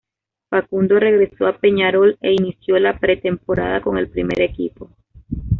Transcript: Facundo regresó a Peñarol e inició la pretemporada con el primer equipo.